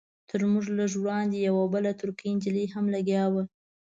تر موږ لږ وړاندې یوه بله ترکۍ نجلۍ هم لګیا وه.